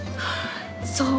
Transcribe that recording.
そう！